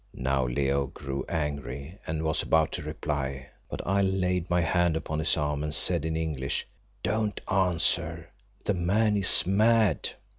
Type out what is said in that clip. Now Leo grew angry and was about to reply, but I laid my hand upon his arm and said in English "Don't answer; the man is mad."